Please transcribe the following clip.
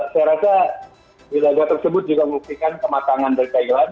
saya rasa di laga tersebut juga membuktikan kematangan dari thailand